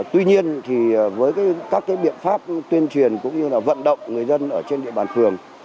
tuy nhiên thì với các biện pháp tuyên truyền cũng như là vận động người dân ở trên địa bàn phường